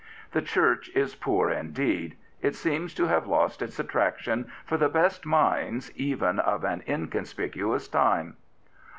The Church is poor indeed. It seems to have lost its attraction for the best minds even of an inconspicuous time.